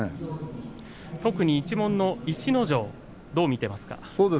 特に一門の逸ノ城どう見ていますか？